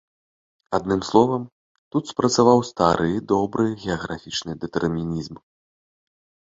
Адным словам, тут спрацаваў стары добры геаграфічны дэтэрмінізм.